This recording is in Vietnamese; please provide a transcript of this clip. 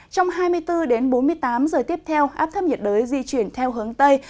trong hai mươi bốn đến bốn mươi tám giờ tiếp theo áp thấp nhiệt đới di chuyển theo hướng tây